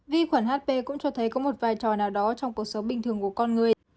vi khuẩn hp cũng cho thấy có một vai trò nào đó trong cuộc sống bình thường của con người